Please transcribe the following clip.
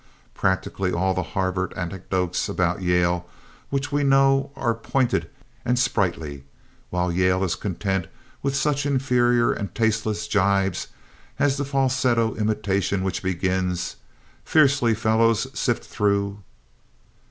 Practically all the Harvard anecdotes about Yale which we know are pointed and sprightly, while Yale is content with such inferior and tasteless jibes as the falsetto imitation which begins "Fiercely fellows, sift through."